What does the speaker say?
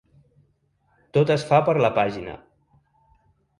Tot es fa per la pàgina.